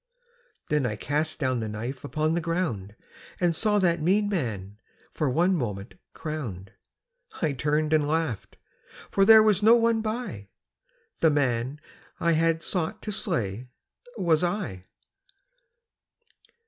Then I cast down the knife upon the ground And saw that mean man for one moment crowned. I turned and laughed: for there was no one by The man that I had sought to slay was I.